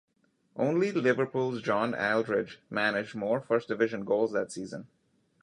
Only Liverpool's John Aldridge managed more First Division goals that season.